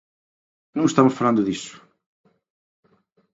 Non estamos falando diso.